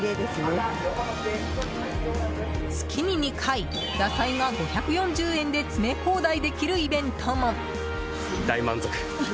月に２回、野菜が５４０円で詰め放題できるイベントも。